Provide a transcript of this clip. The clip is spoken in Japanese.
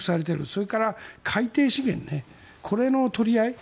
それから、海底資源これの取り合い。